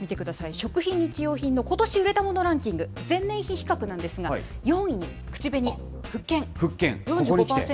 食品、日用品のことし売れたものランキング、前年比比較なんですが、４位に口紅、復権。